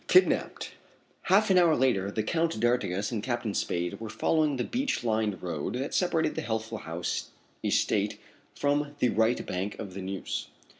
KIDNAPPED. Half an hour later the Count d'Artigas and Captain Spade were following the beech lined road that separated the Healthful House estate from the right bank of the Neuse.